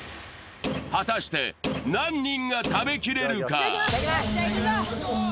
果たして、何人が食べきれるか？